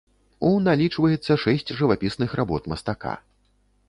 У налічваецца шэсць жывапісных работ мастака.